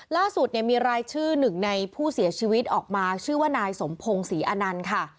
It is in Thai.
ล่าสุดเนี่ยมีรายชื่อหนึ่งในผู้เสียชีวิตออกมาชื่อว่านายสมพงศรีอนันต์ค่ะ